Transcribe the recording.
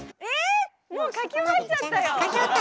もう書き終わっちゃったよ！